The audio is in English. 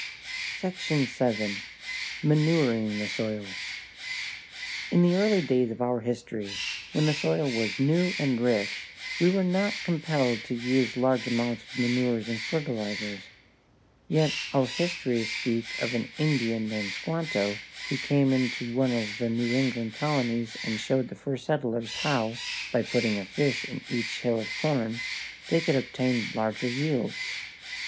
SECTION VII. MANURING THE SOIL In the early days of our history, when the soil was new and rich, we were not compelled to use large amounts of manures and fertilizers. Yet our histories speak of an Indian named Squanto who came into one of the New England colonies and showed the first settlers how, by putting a fish in each hill of corn, they could obtain larger yields.